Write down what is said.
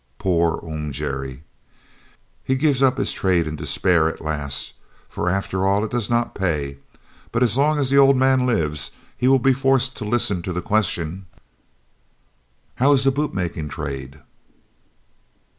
Poor Oom Gerrie! He gives up his trade in despair at last, for after all it does not pay, but as long as the old man lives he will be forced to listen to the question: "How is the boot making trade?"